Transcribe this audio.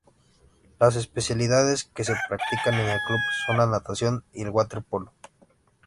Las especialidades que se practican en el club son la natación y el waterpolo.